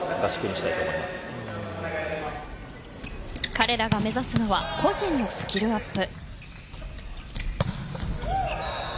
彼らが目指すのは個人のスキルアップ。